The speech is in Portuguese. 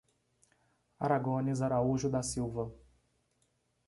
Aragones Araújo da Silva